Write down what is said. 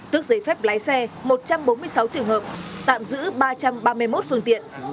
tạm giữ ba trăm ba mươi một phương tiện